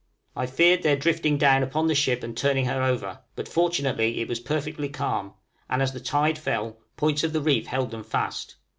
I feared their drifting down upon the ship and turning her over; but fortunately it was perfectly calm, and as the tide fell, points of the reef held them fast.